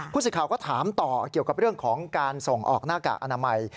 สิทธิ์ข่าวก็ถามต่อเกี่ยวกับเรื่องของการส่งออกหน้ากากอนามัย